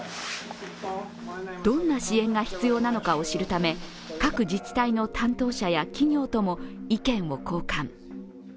どんな支援が必要なのかを知るため、各自治体の担当者や企業とも意見を交換。